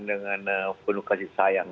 dengan penuh kasih sayang